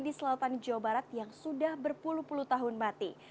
di selatan jawa barat yang sudah berpuluh puluh tahun mati